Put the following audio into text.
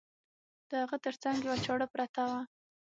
د هغه تر څنګ یوه چاړه پرته وه.